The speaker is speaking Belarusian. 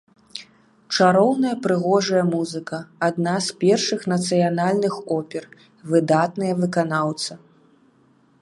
Чароўная прыгожая музыка, адна з першых нацыянальных опер, выдатныя выканаўцы.